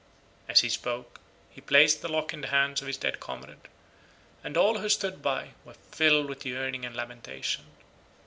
As he spoke he placed the lock in the hands of his dear comrade, and all who stood by were filled with yearning and lamentation.